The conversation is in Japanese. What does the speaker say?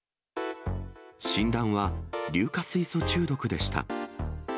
診断は硫化水素中毒でした。